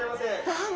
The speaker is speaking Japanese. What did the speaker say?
どうも。